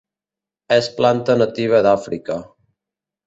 És planta nativa d'Àfrica.